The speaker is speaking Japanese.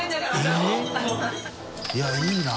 いいいな